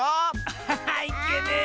アッハハいけねえ！